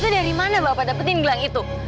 kalau gitu dari mana bapak dapetin gelang itu